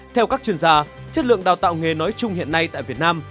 theo các chuyên gia chất lượng đào tạo nghề nói chung hiện nay tại việt nam